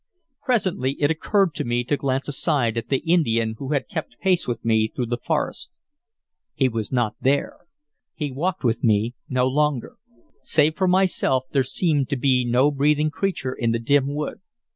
Presently it occurred to me to glance aside at the Indian who had kept pace with me through the forest. He was not there; he walked with me no longer; save for myself there seemed no breathing creature in the dim wood.